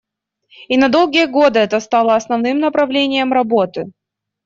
И на долгие годы это стало основным направлением работы.